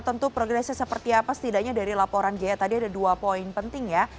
tentu progresnya seperti apa setidaknya dari laporan jaya tadi ada dua poin penting ya